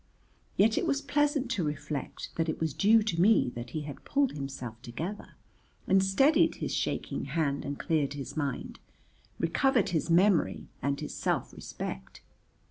Yet it was pleasant to reflect that it was due to me that he had pulled himself together and steadied his shaking hand and cleared his mind, recovered his memory and his self respect.